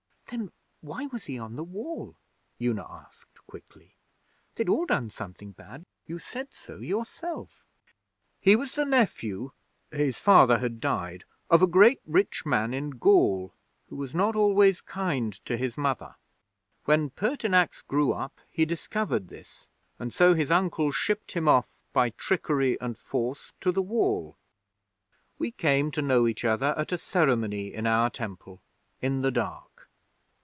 'Then why was he on the Wall?' Una asked, quickly. 'They'd all done something bad. You said so yourself.' 'He was the nephew, his Father had died, of a great rich man in Gaul who was not always kind to his Mother. When Pertinax grew up, he discovered this, and so his uncle shipped him off, by trickery and force, to the Wall. We came to know each other at a ceremony in our Temple in the dark.